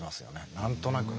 何となくね。